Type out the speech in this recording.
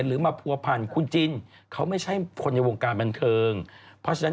อยากได้กันหลายคนนะ